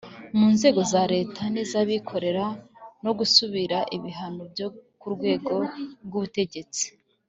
mu nzego za Leta n iz abikorera no gusabira ibihano byo mu rwego rw ubutegetsi